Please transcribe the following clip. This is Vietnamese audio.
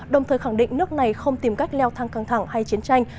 đồng thời khẳng định nước này không tìm cách leo thang căng thẳng hay chiến tranh